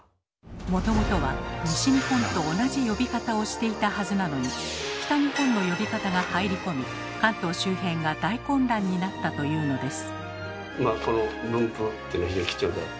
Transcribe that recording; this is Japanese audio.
もともとは西日本と同じ呼び方をしていたはずなのに北日本の呼び方が入り込み関東周辺が大混乱になったというのです。